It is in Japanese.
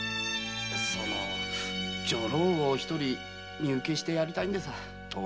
その女郎を一人身請けしてやりたいんでさァ。